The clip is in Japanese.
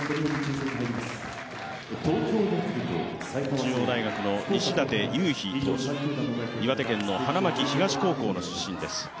中央大学の西舘勇陽投手、岩手県の花巻東高校の出身です。